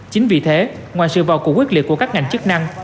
chính vì thế ngoài sự vò cụ quyết liệt của các ngành chức năng